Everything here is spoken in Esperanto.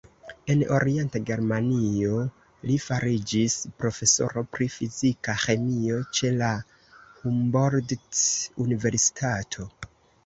En Orienta Germanio li fariĝis profesoro pri fizika ĥemio ĉe la Humboldt-universitato.